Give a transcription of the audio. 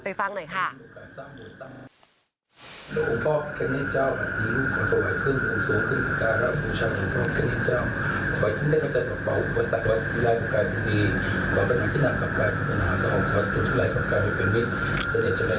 เสด็จในการสินคุณคนให้ลูกมีความมั่นตรงในการงาน